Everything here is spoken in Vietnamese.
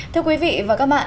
thưa quý vị và các bạn